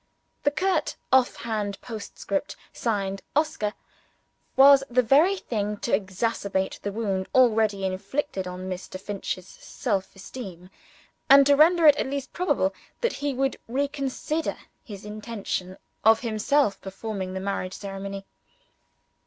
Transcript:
The curt, off hand postscript signed "Oscar" was the very thing to exasperate the wound already inflicted on Mr. Finch's self esteem, and to render it at least probable that he would reconsider his intention of himself performing the marriage ceremony.